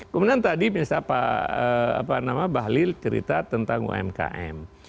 kemudian tadi misalnya pak apa nama bahlil cerita tentang umkm